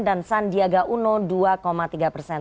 dan sandiaga uno dua tiga persen